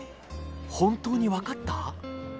本当に分かった？